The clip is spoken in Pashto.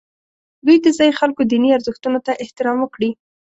دوی د ځایي خلکو دیني ارزښتونو ته احترام وکړي.